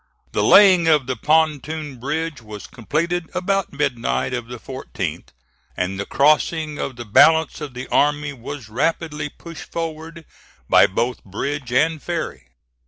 The laying of the pontoon bridge was completed about midnight of the 14th, and the crossing of the balance of the army was rapidly pushed forward by both bridge and ferry.